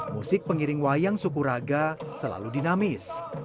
musik pengiring wayang sukuraga selalu dinamis